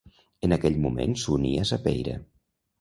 En aquell moment s'uní a Sapeira.